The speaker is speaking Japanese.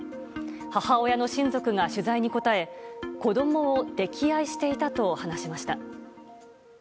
母親の親族が取材に答え子供を溺愛していたと話しました。